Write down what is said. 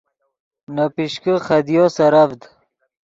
نے پیشکے خدیو سرڤد